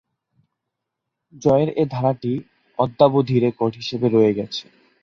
জয়ের এ ধারাটি অদ্যাবধি রেকর্ড হিসেবে রয়ে গেছে।